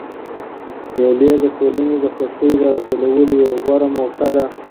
مېلې د ټولني د خوښیو د راټولولو یوه غوره موقع ده.